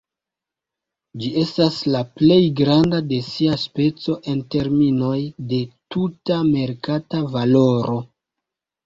Ĝi estas la plej granda de sia speco en terminoj de tuta merkata valoro.